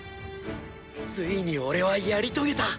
ついに俺はやり遂げた！